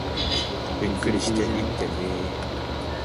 ゆっくりしていってねー